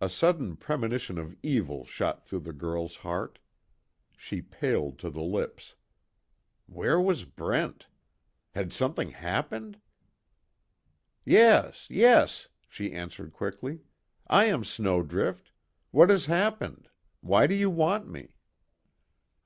A sudden premonition of evil shot through the girl's heart. She paled to the lips. Where was Brent? Had something happened? "Yes, yes!" she answered quickly, "I am Snowdrift. What has happened? Why do you want me?"